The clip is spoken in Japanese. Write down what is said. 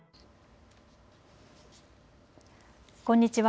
こんにちは。